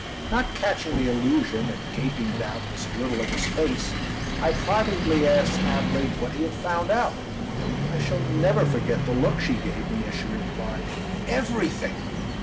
Not catching the allusion and gaping doubtless a little at his face, I privately asked Adelaide what he had found out. I shall never forget the look she gave me as she replied: "Everything!"